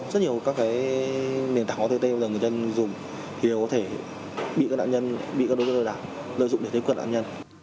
rất nhiều các nền tảng ott mà người dân dùng đều có thể bị các đối tượng đảo trực tiếp với nạn nhân